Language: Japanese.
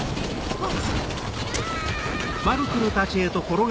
あっ！